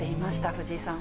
藤井さん。